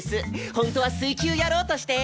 本当は水球やろうとして。